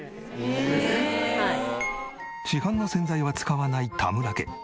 市販の洗剤は使わない田村家。